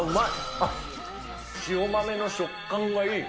あっ、塩豆の食感がいい。